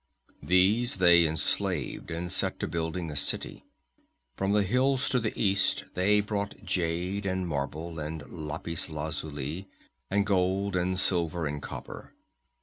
"These they enslaved and set to building a city. From the hills to the east they brought jade and marble and lapis lazuli, and gold, silver and copper.